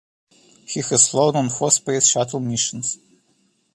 He has flown on four Space Shuttle missions.